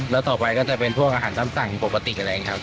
แล้วต่อไปก็จะเป็นพวกอาหารตามสั่งปกติอะไรอย่างนี้ครับ